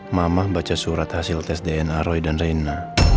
mamah baca surat hasil tes dna roy dan reina